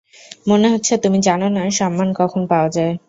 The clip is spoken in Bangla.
মনে হচ্ছে তুমি জানো না সম্মান কখন পাওয়া যায়।